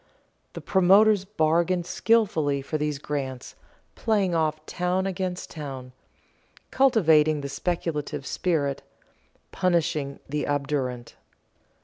The promoters bargained skilfully for these grants, playing off town against town, cultivating the speculative spirit, punishing the obdurate.